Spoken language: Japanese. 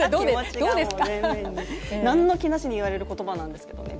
何の気なしに言われる言葉なんですけどね